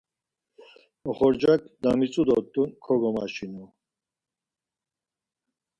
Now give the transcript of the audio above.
Oxorcak na mitzu dort̆un kogomaşinu.